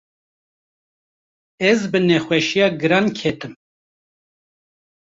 ez bi nexweşîya giran ketim.